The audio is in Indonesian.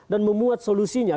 dan memuat solusinya